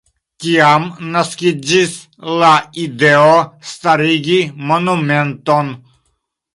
Tiam naskiĝis la ideo starigi monumenton.